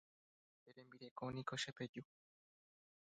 Che rembireko niko chepeju.